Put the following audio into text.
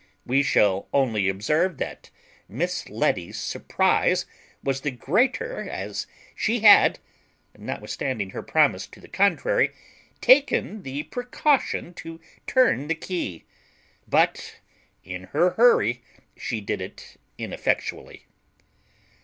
We shall only observe that Miss Letty's surprize was the greater, as she had, notwithstanding her promise to the contrary, taken the precaution to turn the key; but, in her hurry, she did it ineffectually.